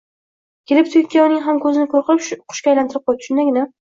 kelibdi-yu, ikkovining ham ko'zini ko'r qilib, qushga aylantirib qo'yibdi. Shundagina